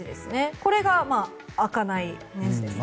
これが開かないねじですね。